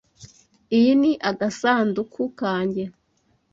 Iyi ni agasanduku kanjye.